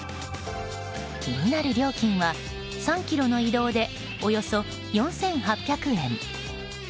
気になる料金は３ｋｍの移動でおよそ４８００円。